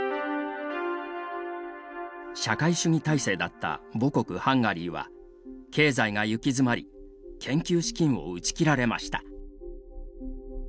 社会主義体制だった母国ハンガリーは経済が行き詰まり研究資金を打ち切られました。